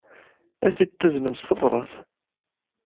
Ad t-id-taznem s tebṛat?